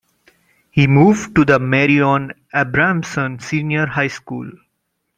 He moved to the Marion Abramson Senior High School.